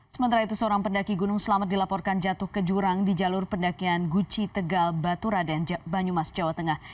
sementara itu seorang pendaki gunung selamat dilaporkan jatuh ke jurang di jalur pendakian guci tegal baturaden banyumas jawa tengah